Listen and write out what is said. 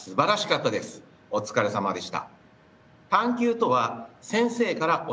お疲れさまでした。